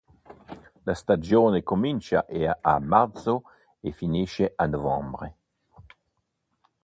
La stagione comincia a marzo e finisce a novembre.